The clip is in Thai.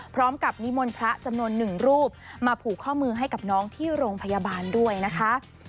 พร้อมกับนิมนต์พระจำนวนหนึ่งรูปมาผูกข้อมือให้กับน้องที่โรงพยาบาลด้วยนะคะ